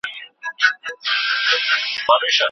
کمېټې به د نويو قوانينو مسودي په دقت ولولي.